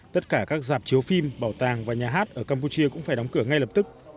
tất cả các dạp chiếu phim bảo tàng và nhà hát ở campuchia cũng phải đóng cửa ngay lập tức